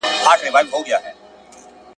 زه ئې پدې امر کړم چي تا پر دغه ډالۍ شاهد کړم.